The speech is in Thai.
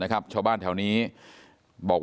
นายพิรายุนั่งอยู่ติดกันแบบนี้นะคะ